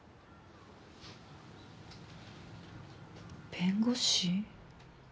弁護士？